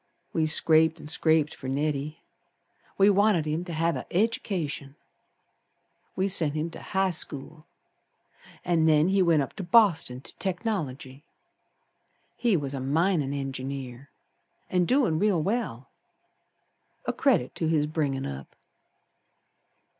We scraped an' scraped fer Neddy, We wanted him to have a education. We sent him to High School, An' then he went up to Boston to Technology. He was a minin' engineer, An' doin' real well, A credit to his bringin' up.